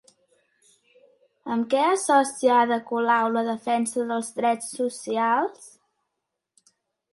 Amb què associa Ada Colau la defensa dels drets socials?